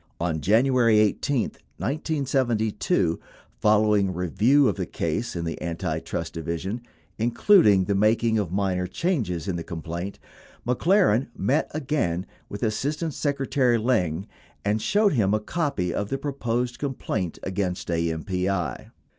On January 18, 1972, following review of the case in the Antitrust Division, including the making of minor changes in the complaint, McLaren met again with Assistant Secretary Lyng and showed him a copy of the proposed complaint against AMPI.